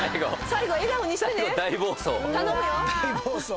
最後笑顔にしてね。